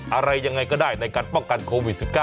อะไรยังไงก็ได้ในการป้องกันโควิด๑๙